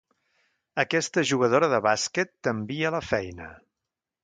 Aquesta jugadora de bàsquet t'envia a la feina.